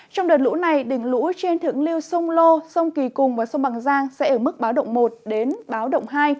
trong đợt lũ này đỉnh lũ trên thượng liêu sông lô sông kỳ cùng và sông bằng giang sẽ ở mức báo động một hai